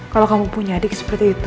kalau kamu punya adik seperti itu